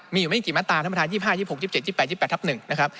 มีอยู่ไม่กี่มาตราท่านประธาน๒๕๒๖๒๗๒๘๒๘ทับ๑นะครับ